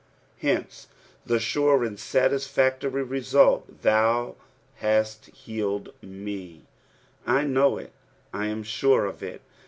Hence the sure and aatiafactory result —" Thoa hatt healed ni«." I know it. Inm aure of it.